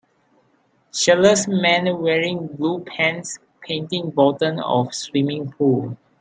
Shirtless man wearing blue pants painting bottom of swimming pool.